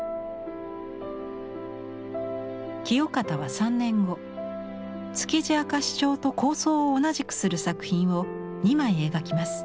清方は３年後「築地明石町」と構造を同じくする作品を２枚描きます。